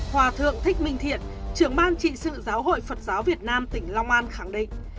hòa thượng thích minh thiện trưởng ban trị sự giáo hội phật giáo việt nam tỉnh long an khẳng định